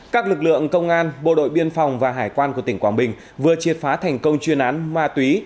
các lực lượng công an bộ đội biên phòng và hải quan của tỉnh quảng bình vừa triệt phá thành công chuyên án ma túy